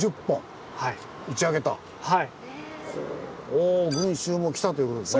お群衆も来たということですね。